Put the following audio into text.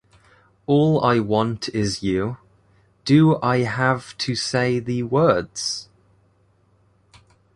"All I Want Is You", "Do I Have to Say the Words?